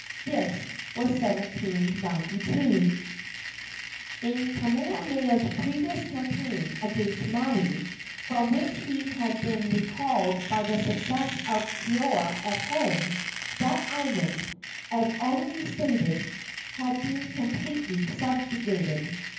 This was in 1792. In Kamehameha's previous campaign against Maui, from which he had been recalled by the successes of Keoua at home, that island, as already stated, had been completely subjugated.